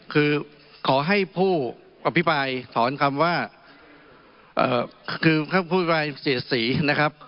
คือขอให้ผู้อภิปรายถอนคำว่าคือท่านผู้อภิปรายเสียดสีนะครับ